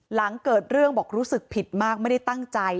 หลังเกิดเรื่องบอกรู้สึกผิดมากไม่ได้ตั้งใจ